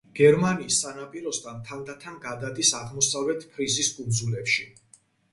გერმანიის სანაპიროსთან თანდათან გადადის აღმოსავლეთ ფრიზის კუნძულებში.